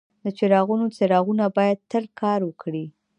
د چراغونو څراغونه باید تل کار وکړي.